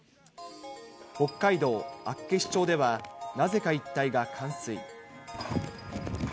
北海道厚岸町では、なぜか一帯が冠水。